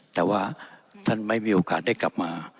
แต่ว่าท่านไม่มีโอกาสได้กลับมา